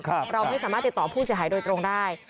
เราไม่สามารถติดต่อผู้เสียหายโดยตรงได้